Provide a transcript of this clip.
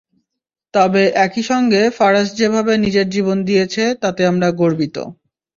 তবে একই সঙ্গে ফারাজ যেভাবে নিজের জীবন দিয়েছে, তাতে আমরা গর্বিত।